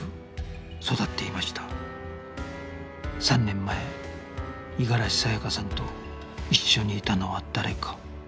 ３年前五十嵐さやかさんと一緒にいたのは誰か